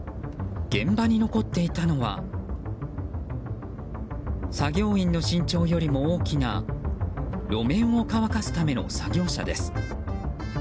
現場に残っていたのは作業員の慎重よりも大きな路面を乾かすための作業車です。